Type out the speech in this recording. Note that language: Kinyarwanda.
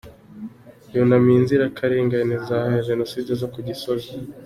Yunamiye inzirakarengane za Jenoside ku Gisozi